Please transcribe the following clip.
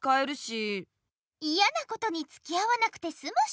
いやなことにつきあわなくてすむし。